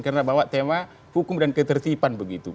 karena bawa tema hukum dan ketertiban begitu